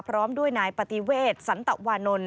พร้อมด้วยนายปฏิเวทสันตวานนท์